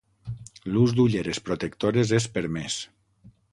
L'ús d'ulleres protectores és permès.